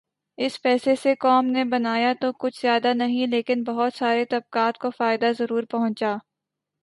اس پیسے سے قوم نے بنایا تو کچھ زیادہ نہیں لیکن بہت سارے طبقات کو فائدہ ضرور پہنچا۔